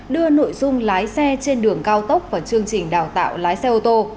đưa nội dung lái xe trên đường cao tốc vào chương trình đào tạo lái xe ô tô